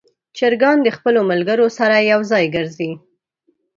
چرګان د خپلو ملګرو سره یو ځای ګرځي.